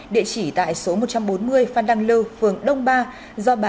địa chỉ tại số một trăm bốn mươi phan đăng lư phường đông ba